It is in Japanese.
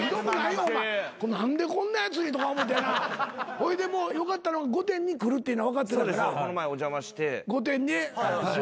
ほいでもうよかったのが『御殿！！』に来るっていうの分かってたから『御殿！！』で祝儀を。